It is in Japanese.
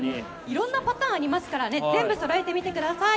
色々なパターンがありますからぜひそろえてみてください。